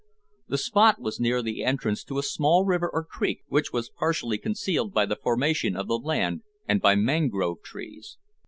The spot was near the entrance to a small river or creek, which was partially concealed by the formation of the land and by mangrove trees.